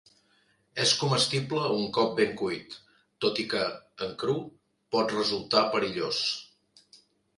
És comestible un cop ben cuit, tot i que, en cru, pot resultar perillós.